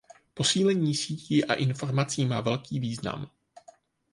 Posílení sítí a informací má velký význam.